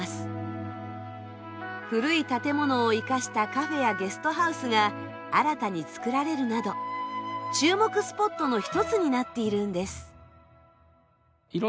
古い建物を生かしたカフェやゲストハウスが新たに作られるなど注目スポットの一つになっているんです。